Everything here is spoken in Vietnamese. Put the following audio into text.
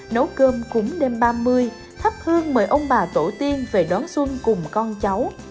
nấu cơm cúng đêm ba mươi thắp hương mời ông bà tổ tiên về đón xuân cùng con cháu